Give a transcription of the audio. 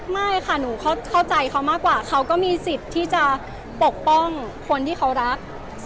ไม่ค่ะหนูเข้าใจเขามากกว่าเขาก็มีสิทธิ์ที่จะปกป้องคนที่เขารัก